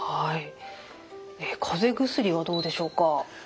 かぜ薬はどうでしょうか？